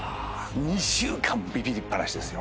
２週間ビビりっ放しですよ。